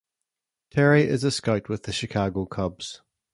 Terry is a scout with the Chicago Cubs.